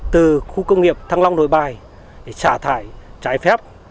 từ khu công nghiệp thăng long nội bài để xả thải trái phép